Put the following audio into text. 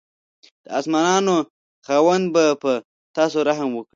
د اسمانانو خاوند به په تاسو رحم وکړي.